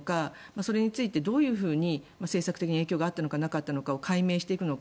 それについてどういうふうに政策的に影響があったのかなかったのかを解明していくのか。